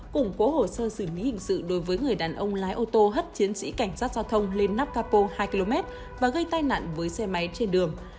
củng cố hồ sơ xử lý hình sự đối với người đàn ông lái ô tô hất chiến sĩ cảnh sát giao thông lên nắp capo hai km và gây tai nạn với xe máy trên đường